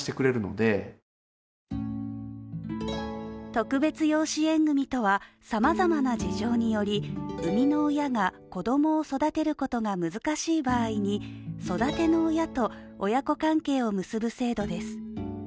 特別養子縁組とはさまざまな事情により生みの親が子どもを育てることが難しい場合に育ての親と親子関係を結ぶ制度です。